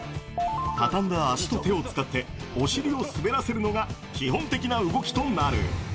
畳んだ足と手を使って、お尻を滑らせるのが基本的な動きとなる。